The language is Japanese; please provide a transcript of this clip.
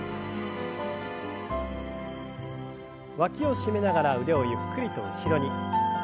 わきを締めながら腕をゆっくりと後ろに。